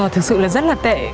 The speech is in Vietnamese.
thực sự là rất là tệ